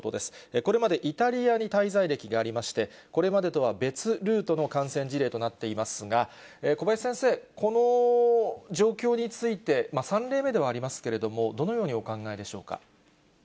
これまでイタリアに滞在歴がありまして、これまでとは別ルートの感染事例となっていますが、小林先生、この状況について、３例目ではありますけれども、どのようにお考えでしょうか。